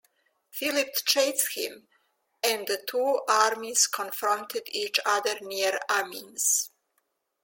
Philip chased him, and the two armies confronted each other near Amiens.